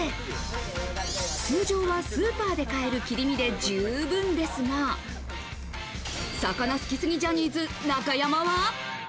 通常はスーパーで買える切り身で十分ですが、魚好きすぎジャニーズ・中山は。